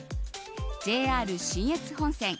ＪＲ信越本線